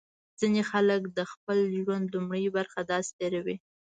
ځینې خلک د خپل ژوند لومړۍ برخه داسې تېروي.